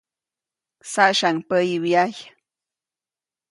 Saʼsyaʼuŋ päyi wyajy.